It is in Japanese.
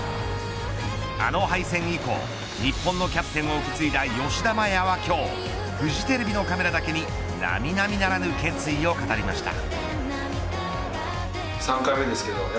あの敗戦以降日本のキャプテンを受け継いだ吉田麻也は今日フジテレビのカメラだけに並々ならぬ決意を語りました。